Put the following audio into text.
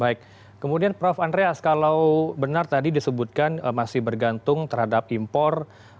baik kemudian prof andreas kalau benar tadi disebutkan masih bergantung terhadap impor